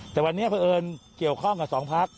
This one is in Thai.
แต่วันนี้พอเอิญเกี่ยวข้องกับสองพัก